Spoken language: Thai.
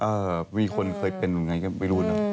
เออมีคนเคยเป็นอย่างไรก็ไม่รู้นะ